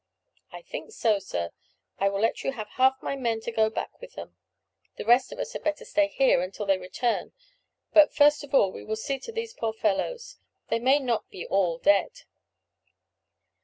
"I think so, sir. I will let you have half my men to go back with them. The rest of us had better stay here until they return. But, first of all, we will see to these poor fellows. They may not be all dead."